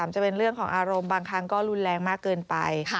จะเป็นเรื่องของอารมณ์บางครั้งก็รุนแรงมากเกินไป